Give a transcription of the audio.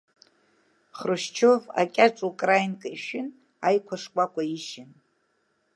Хрушьчов акьаҿ украинка ишәын, аиқәа шкәакәа ишьан.